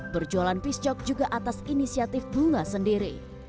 berjualan piscok juga atas inisiatif bunga sendiri